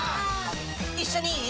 一緒にいい？